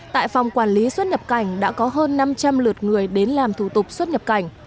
tại phòng quản lý xuất nhập cảnh đã có hơn năm trăm linh lượt người đến làm thủ tục xuất nhập cảnh